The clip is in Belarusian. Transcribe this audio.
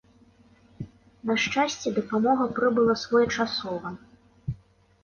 На шчасце, дапамога прыбыла своечасова.